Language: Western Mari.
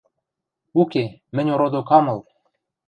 Уке, мӹнь ородок ам ыл!..